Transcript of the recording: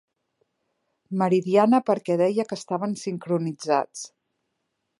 Meridiana perquè deia que estaven sincronitzats.